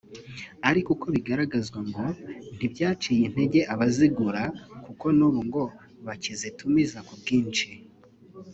ariko uko bigaragazwa ngo ntibyaciye intege abazigura kuko n’ubu ngo bakizitumiza ku bwinshi